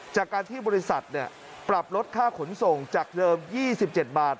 จากการที่บริษัทปรับลดค่าขนส่งจากเดิม๒๗บาท